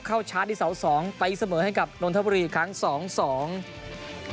ชาร์จที่เสาสองไปเสมอให้กับนนทบุรีครั้งสองสอง